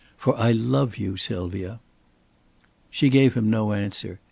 "For I love you, Sylvia." She gave him no answer.